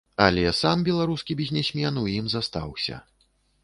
Але сам беларускі бізнесмен у ім застаўся.